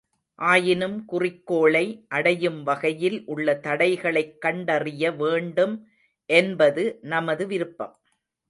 ஆயினும், குறிக்கோளை அடையும் வகையில் உள்ள தடைகளைக் கண்டறிய வேண்டும் என்பது நமது விருப்பம்.